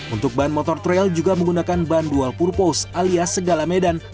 untuk ban motor trail juga menggunakan ban dual purpose alias segala medan